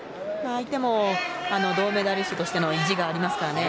相手も銅メダリストとしての意地がありますからね。